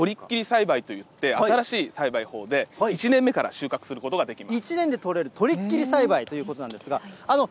栽培ということで、新しい栽培法で、１年目から収穫することができます。